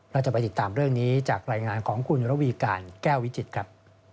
เราจะไปติดตามเรื่องนี้จากรายงานของคุณระวีการแก้ววิจิตรครับ